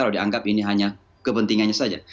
kalau dianggap ini hanya kepentingannya saja